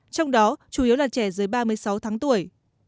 trong đó chủ yếu là trẻ dưới ba mươi sáu tháng tuổi